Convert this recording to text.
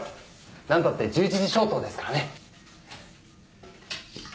何たって１１時消灯ですからね。